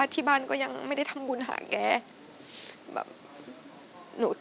ที่บ้านไม่ได้เลยน้ำเสียงเอง